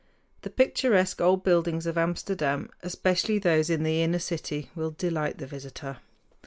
The picturesque old buildings of Amsterdam, especially those in the inner city, will delight the visitor.